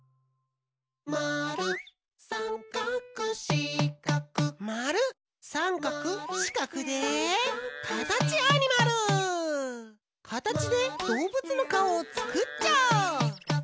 「まるさんかくしかく」まるさんかくしかくでカタチでどうぶつのかおをつくっちゃおう！